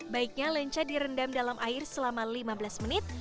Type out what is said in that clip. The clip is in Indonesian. baiknya lenca direndam dalam air selama lima belas menit